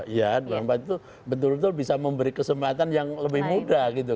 iya dua ribu dua puluh empat itu betul betul bisa memberi kesempatan yang lebih mudah